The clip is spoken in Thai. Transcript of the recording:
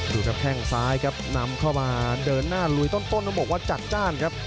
ดูครับแข้งซ้ายครับนำเข้ามาเดินหน้าลุยต้นต้องบอกว่าจัดจ้านครับ